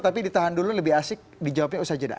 tapi ditahan dulu lebih asik dijawabnya usai jeda